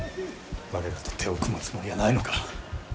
我らと手を組むつもりはないのか。